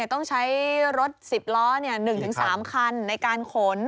ต้องใช้รถ๑๐ล้อ๑๓คันในการขน